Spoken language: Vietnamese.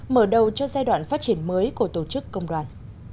mở đầu cho giai đoạn phát triển mới của tổ chức công đoàn